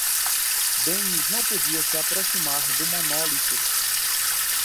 Dennis não podia se aproximar do monólito.